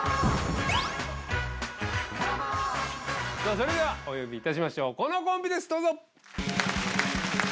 それではお呼びいたしましょうこのコンビですどうぞ！